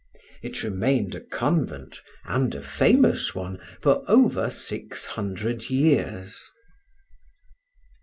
It remained a convent, and a famous one, for over six hundred years.